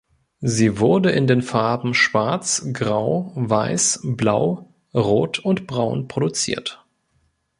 Sie wurde in den Farben schwarz, grau, weiß, blau, rot und braun produziert.